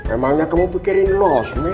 emangnya kamu pikir ini los men